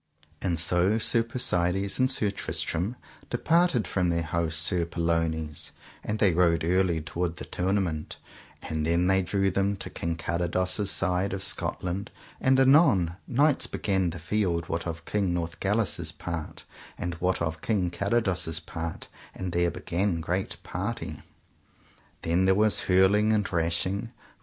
And so Sir Persides and Sir Tristram departed from their host Sir Pellounes, and they rode early toward the tournament, and then they drew them to King Carados' side, of Scotland; and anon knights began the field what of King Northgalis' part, and what of King Carados' part, and there began great party. Then there was hurling and rashing.